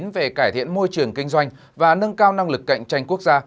về cải thiện môi trường kinh doanh và nâng cao năng lực cạnh tranh quốc gia